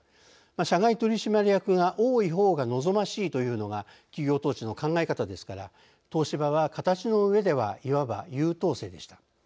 社外取締役が多い方が望ましいというのが企業統治の考え方ですから東芝は形の上ではいわば優等生でした。